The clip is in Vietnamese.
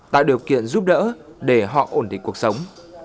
tạo điều kiện giúp đỡ để họ ổn định cuộc sống